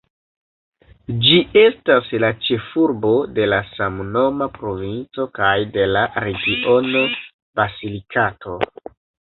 Ĝi estas la ĉefurbo de la samnoma provinco kaj de la regiono Basilikato.